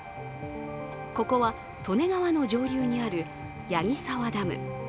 ここは利根川の上流にある矢木沢ダム。